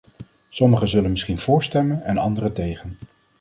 Sommigen zullen misschien vóór stemmen en anderen tegen.